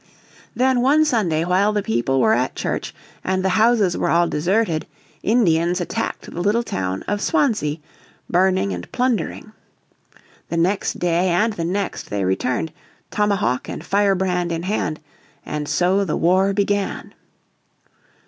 Then one Sunday while the people were at church and the houses were all deserted Indians attacked the little town of Swansea, burning and plundering. The next day and the next they returned, tomahawk and firebrand in hand, and so the war began.